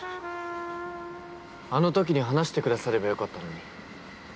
あの時に話してくださればよかったのに。